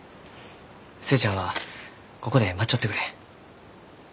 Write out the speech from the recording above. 寿恵ちゃんはここで待っちょってくれ。